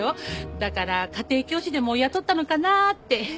だから家庭教師でも雇ったのかなって。